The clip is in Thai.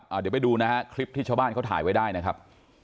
เดี๋ยวไปดูนะฮะคลิปที่ชาวบ้านเขาถ่ายไว้ได้นะครับ